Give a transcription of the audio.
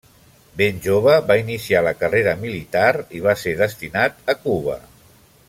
Ben jove va iniciar la carrera militar i va ser destinat a Cuba.